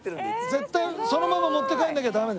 絶対そのまま持って帰んなきゃダメです。